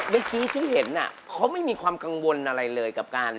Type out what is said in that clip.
เมื่อกี้ที่เห็นเขาไม่มีความกังวลอะไรเลยกับการ